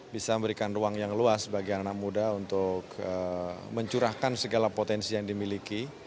bisa memberikan ruang yang luas bagi anak muda untuk mencurahkan segala potensi yang dimiliki